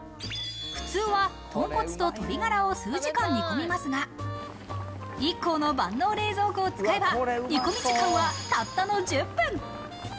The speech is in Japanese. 普通は豚骨と鶏ガラを数時間、煮込みますが、ＩＫＫＯの万能冷蔵庫を使えば煮込み時間はたったの１０分。